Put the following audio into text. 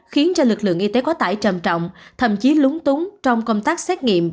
khiến cho lực lượng y tế quá tải trầm trọng thậm chí lúng túng trong công tác xét nghiệm